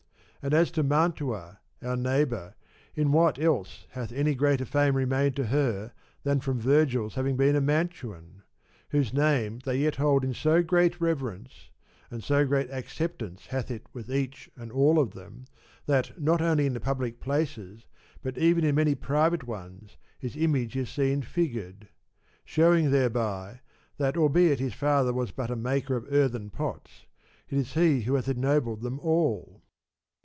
And as to Mantua, our neigh bour, in what else hath any greater fame remained to her than from Vergil's having been a Mantuan? whose name they yet hold in so great reverence, and so great acceptance hath it with each and all of them, that, not only in the public places but even in many private ones, his image is seen figured ; showing thereby that albeit his father was but a maker of earthen pots, it is he who hath ennobled them all